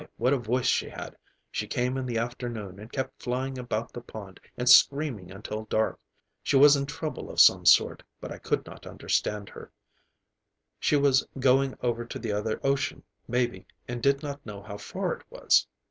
what a voice she had! She came in the afternoon and kept flying about the pond and screaming until dark. She was in trouble of some sort, but I could not understand her. She was going over to the other ocean, maybe, and did not know how far it was.